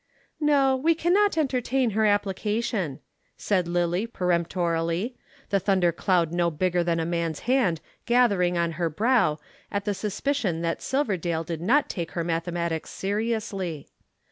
"No; we cannot entertain her application," said Lillie peremptorily, the thunder cloud no bigger than a man's hand gathering on her brow at the suspicion that Silverdale did not take her mathematics seriously.